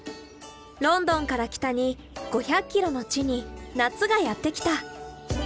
ロンドンから北に５００ｋｍの地に夏がやって来た。